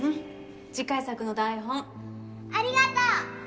次回作の台ありがとう！